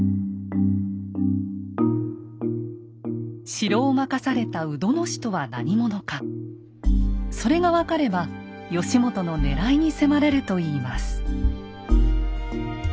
城を任されたそれが分かれば義元のねらいに迫れるといいます。